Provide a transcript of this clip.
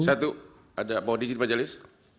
satu ada mau di jeet pak jalis